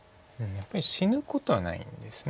やっぱり死ぬことはないんです。